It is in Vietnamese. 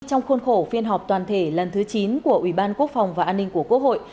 trong khuôn khổ phiên họp toàn thể lần thứ chín của ủy ban quốc phòng và an ninh của quốc hội